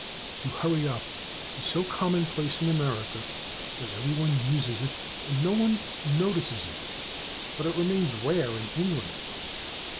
/To hurry up/ is so commonplace in America that everyone uses it and no one notices it, but it remains rare in England.